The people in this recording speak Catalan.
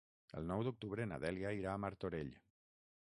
El nou d'octubre na Dèlia irà a Martorell.